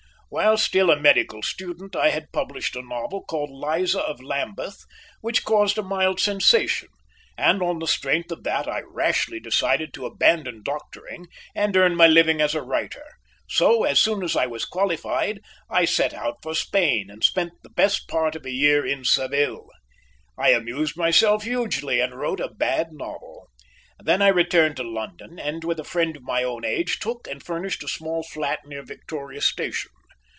While still a medical student I had published a novel called Liza of Lambeth which caused a mild sensation, and on the strength of that I rashly decided to abandon doctoring and earn my living as a writer; so, as soon as I was "qualified", I set out for Spain and spent the best part of a year in Seville. I amused myself hugely and wrote a bad novel. Then I returned to London and, with a friend of my own age, took and furnished a small flat near Victoria Station.